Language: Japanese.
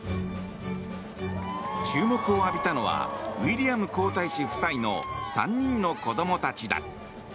注目を浴びたのはウィリアム皇太子夫妻の３人の子供たちだ。